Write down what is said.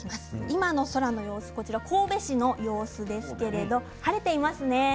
今の空の様子、神戸市の様子ですけれど晴れていますね。